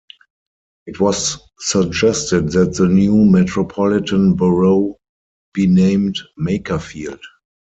It was suggested that the new metropolitan borough be named Makerfield.